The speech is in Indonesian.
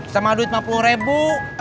sama duit lima puluh ribu